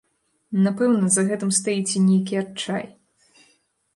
Напэўна, за гэтым стаіць і нейкі адчай.